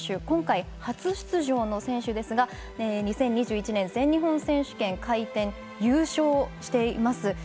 今回、初出場の選手ですが２０２１年全日本選手権回転優勝しています。